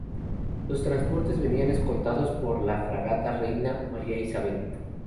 Los transportes venían escoltados por la fragata Reina María Isabel.